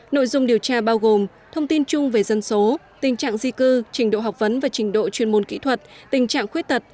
nội dung điều tra bao gồm thông tin chung về dân số tình trạng di cư trình độ học vấn và trình độ chuyên môn kỹ thuật tình trạng khuyết tật